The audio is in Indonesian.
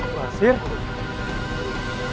biarkan lindu aja istirahat